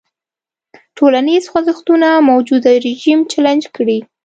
ټولنیز خوځښتونه موجوده رژیم چلنج کړي.